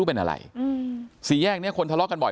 โปรดติดตามต่อไป